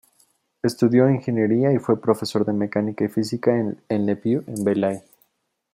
Estudió ingeniería y fue profesor de Mecánica y Física en Le Puy-en-Velay.